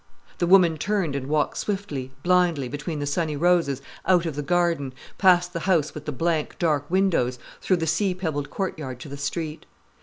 The woman turned and walked swiftly, blindly, between the sunny roses, out of the garden, past the house with the blank, dark windows, through the sea pebbled courtyard to the street.